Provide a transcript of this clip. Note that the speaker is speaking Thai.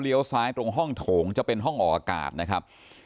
ซ้ายตรงห้องโถงจะเป็นห้องออกอากาศนะครับ